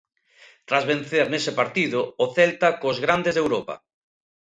Tras vencer nese partido: "O Celta cos grandes de Europa".